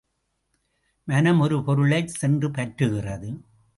மனம், ஒரு பொருளைச் சென்று பற்றுகிறது.